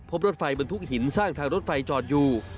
พบรถไฟบรรทุกหินสร้างทางรถไฟจอดอยู่